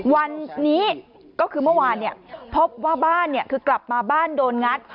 วันนี้ก็คือเมื่อวานพบว่าบ้านคือกลับมาบ้านโดนงัด